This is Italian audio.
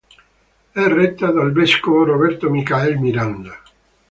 È retta dal vescovo Robert Michael Miranda.